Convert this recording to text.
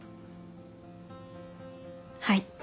はい。